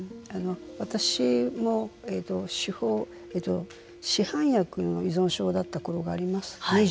私も市販薬の依存症だったころがあります。